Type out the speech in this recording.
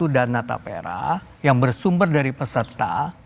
satu dana tapra yang bersumber dari peserta